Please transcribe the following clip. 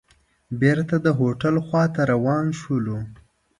بېرته د هوټل خوا ته روان شولو.